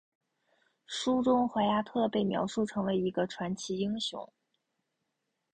书中怀亚特被描述成为一个传奇英雄。